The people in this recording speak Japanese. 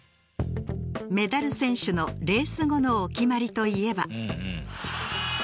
メダル選手のレース後のお決まりといえば。